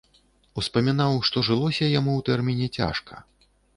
Успамінаў, што жылося яму ў тэрміне цяжка.